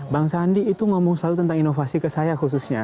bang sandi itu ngomong selalu tentang inovasi ke saya khususnya